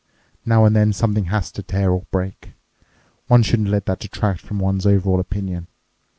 Now and then something has to tear or break. One shouldn't let that detract from one's overall opinion.